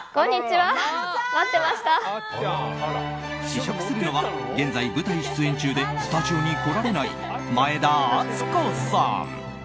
試食するのは現在、舞台出演中でスタジオに来られない前田敦子さん。